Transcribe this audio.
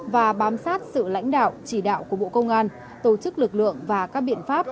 và bám sát sự lãnh đạo chỉ đạo của bộ công an tổ chức lực lượng và các biện pháp